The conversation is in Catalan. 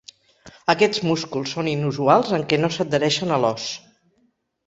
Aquests músculs són inusuals en què no s'adhereixen a l'os.